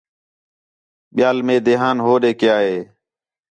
ٻِیال مئے دھیان ہوݙے کَیا ہِے